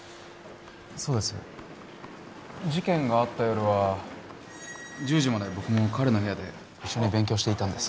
そうです事件があった夜は１０時まで僕も彼の部屋で一緒に勉強していたんです